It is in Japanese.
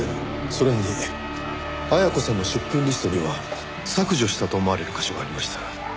それに絢子さんの出品リストには削除したと思われる箇所がありました。